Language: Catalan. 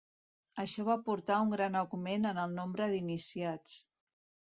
Això va portar a un gran augment en el nombre d'iniciats.